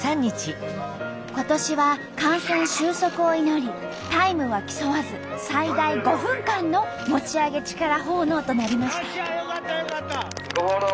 今年は感染収束を祈りタイムは競わず最大５分間の餅上げ力奉納となりました。